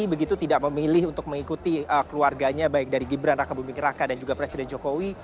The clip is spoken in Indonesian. begitu tidak memilih untuk mengikuti keluarganya baik dari gibran raka buming raka dan juga presiden jokowi